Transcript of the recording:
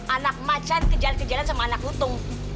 anak macan kejalan kejalan sama anak lutung